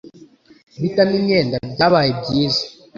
Guhitamo imyenda byabaye byiza.